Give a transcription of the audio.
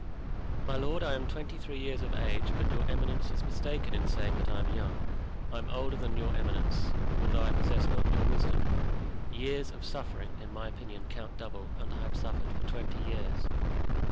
"My lord, I am twenty three years of age; but your eminence is mistaken in saying that I am young. I am older than your eminence, although I possess not your wisdom. Years of suffering, in my opinion, count double, and I have suffered for twenty years."